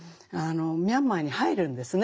ミャンマーに入るんですね。